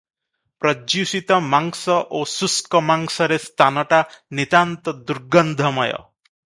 ପର୍ଯ୍ୟୁଷିତ ମାଂସ ଓ ଶୁଷ୍କ ମାଂସରେ ସ୍ଥାନଟା ନିତାନ୍ତ ଦୁର୍ଗନ୍ଧମୟ ।